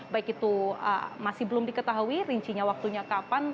baik itu masih belum diketahui rincinya waktunya kapan